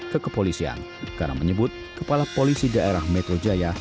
ke kepolisian karena menyebut kepala polisi daerah metro jaya